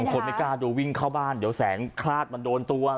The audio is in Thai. คนไม่กล้าดูวิ่งเข้าบ้านเดี๋ยวแสงคลาดมันโดนตัว